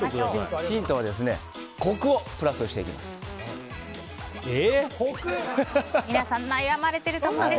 ヒントはコクをプラスしていきます。